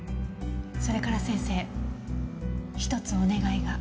それから先生ひとつお願いが。